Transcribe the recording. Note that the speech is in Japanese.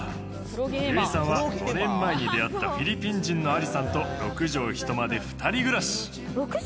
ゆいさんは４年前に出会ったフィリピン人のアリさんと６畳一間で二人暮らし。